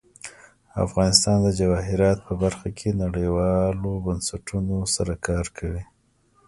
افغانستان د جواهرات په برخه کې نړیوالو بنسټونو سره کار کوي.